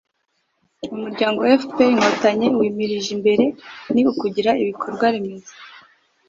umuryango fpr – inkotanyi wimirije imbere ni ukugira ibikorwa remezo